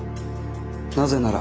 なぜなら。